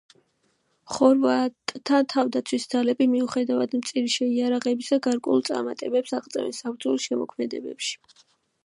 ხორვატთა თავდაცვის ძალები, მიუხედავად მწირი შეიარაღებისა, გარკვეულ წარმატებებს აღწევენ საბრძოლო მოქმედებებში.